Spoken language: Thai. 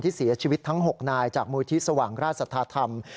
ที่เสียชีวิตทั้ง๖นายจากมูลทิศสว่างราชศาสตราธรรม